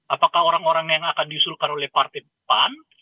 apakah orang orang yang akan diusulkan oleh partai pan